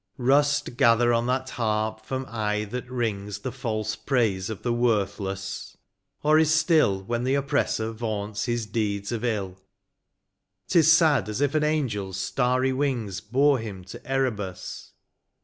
Rust gather on that harp from aye that rings The false praise of the worthless ; or is still When the oppressor vaunts his deeds of ill; T is sad as if an angel's starry wings Bore him to Erebus.